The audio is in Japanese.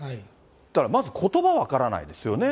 だからまずことば分からないですよね。